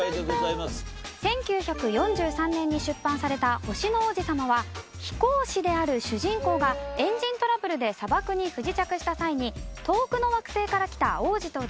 １９４３年に出版された『星の王子さま』は飛行士である主人公がエンジントラブルで砂漠に不時着した際に遠くの惑星から来た王子と出会い